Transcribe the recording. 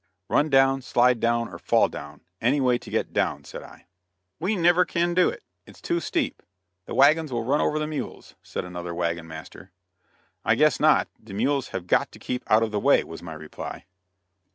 "Run down, slide down or fall down any way to get down," said I. "We never can do it; it's too steep; the wagons will run over the mules," said another wagon master. "I guess not; the mules have got to keep out of the way," was my reply.